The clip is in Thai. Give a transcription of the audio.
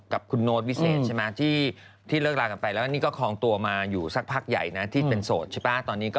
กับคุณโน๊ตวิเศษใช่ไหมที่เลิกลากันไปและห้วงตัวมาในสักพักใหญ่ที่เป็นโสดใช่ปะ